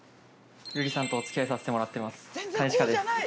るりさんとお付き合いさせてもらってます兼近です。